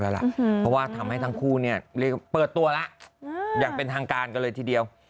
เพราะว่าทำให้ทั้งคู่เปิดตัวแล้วอยากเป็นทางการก็เลยทีเดียว